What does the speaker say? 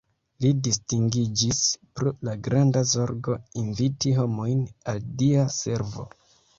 Li distingiĝis pro la granda zorgo inviti homojn al dia servo.